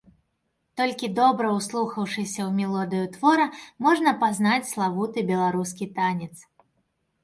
Толькі добра ўслухаўшыся ў мелодыю твора, можна пазнаць славуты беларускі танец.